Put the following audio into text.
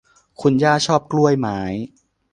คุณย่าชอบกล้วยไม้